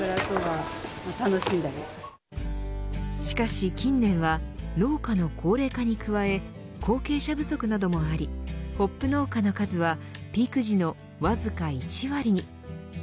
しかし、近年は農家の高齢化に加え後継者不足などもありホップ農家の数はピーク時のわずか１割に。